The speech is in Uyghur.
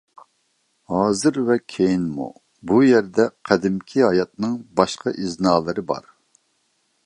ھازىر ۋە كېيىنمۇ بۇ يەردە قەدىمكى ھاياتنىڭ باشقا ئىزنالىرى بار.